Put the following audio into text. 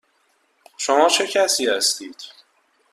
شما چه کسی هستید؟